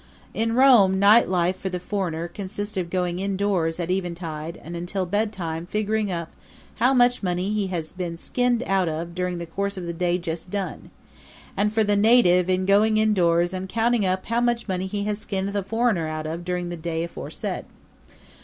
In Rome night life for the foreigner consists of going indoors at eventide and until bedtime figuring up how much money he has been skinned out of during the course of the day just done and for the native in going indoors and counting up how much money he has skinned the foreigner out of during the day aforesaid.